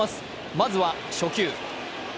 まずは初球。